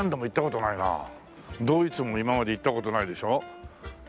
ドイツも今まで行った事ないでしょ？